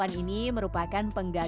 saya berserah buat tanda